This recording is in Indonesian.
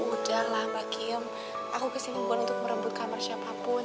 udah lah mbak kiem aku kesimpulan untuk merebut kamar siapapun